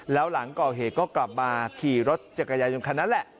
แล้วหลังก่อเหตุก็กลับมาขี่รถจักรยายนคันนั้นแหละ